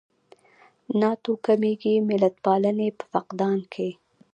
ناتوکمیزې ملتپالنې په فقدان کې.